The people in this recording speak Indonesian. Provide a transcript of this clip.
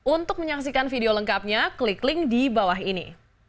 untuk menyaksikan video lengkapnya klik link di bawah ini